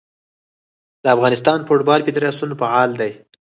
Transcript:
د افغانستان فوټبال فدراسیون فعال دی.